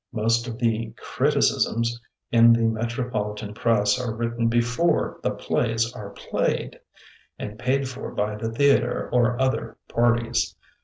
... Most of the "criticisms" In the metropoli tan press are written before the plays are played — and paid for by the theatre, or other parties.